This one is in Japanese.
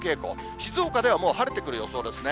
静岡ではもう晴れてくる予想ですね。